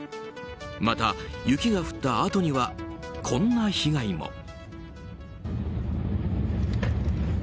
また雪が降ったあとにはこんな被害も。